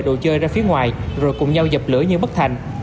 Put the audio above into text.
đồ chơi ra phía ngoài rồi cùng nhau dập lửa nhưng bất thành